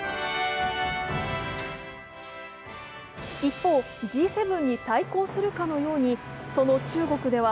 一方、Ｇ７に対抗するかのようにその中国では